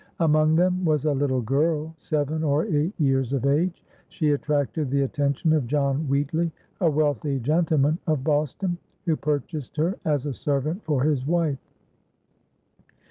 Among them was a little girl seven or eight years of age. She attracted the attention of John Wheatley, a wealthy gentleman of Boston, who purchased her as a servant for his wife.